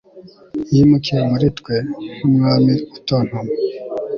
yimukiye muri twe, nk'umwami utontoma